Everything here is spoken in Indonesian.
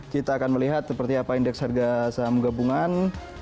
kita akan melihat seperti apa indeks harga saham gabungan